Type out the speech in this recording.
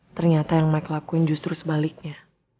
ternyata yang mike lakuin justru sebaliknya